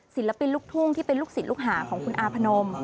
ศิลปินลูกทุ่งที่เป็นลูกศิษย์ลูกหาของคุณอาพนม